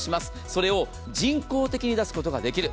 それを人工的に出すことができる。